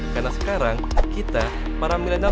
karena sekarang kita para milenial